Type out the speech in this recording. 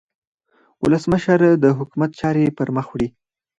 ولسمشر د حکومت چارې پرمخ وړي.